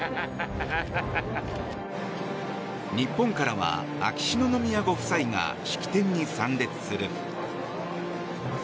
日本からは秋篠宮ご夫妻が式典に参列する。